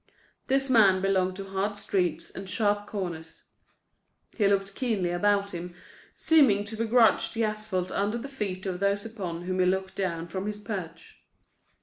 This man belonged to hard streets and sharp corners. He looked keenly about him, seeming to begrudge the asphalt under the feet of those upon whom he looked down from his perch.